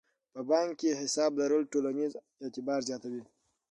په بانک کې حساب لرل ټولنیز اعتبار زیاتوي.